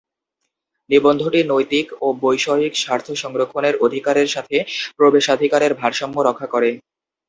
নিবন্ধটি নৈতিক ও বৈষয়িক স্বার্থ সংরক্ষণের অধিকারের সাথে প্রবেশাধিকারের ভারসাম্য রক্ষা করে।